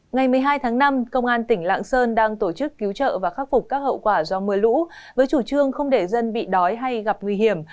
ngày một mươi hai tháng năm công an tỉnh lạng sơn đang tổ chức cứu trợ và khắc phục các hậu quả do mưa lũ với chủ trương không để dân bị đói hay gặp nguy hiểm